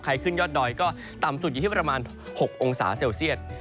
ขึ้นยอดดอยก็ต่ำสุดอยู่ที่ประมาณ๖องศาเซลเซียต